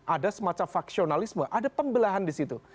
ada semacam faksionalisme ada pembelahan di situ